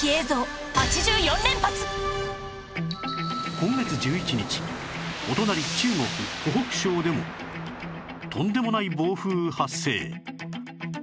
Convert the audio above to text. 今月１１日お隣中国湖北省でもとんでもない暴風雨発生